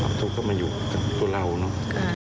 ความทุกข์ก็มาอยู่ในตัวเรือนั้น